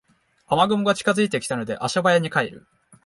雨雲が近づいてきたので足早に帰る